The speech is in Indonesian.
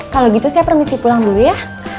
kalau gitu saya permisi pulang dulu ya